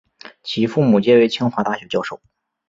其父母皆为清华大学教授。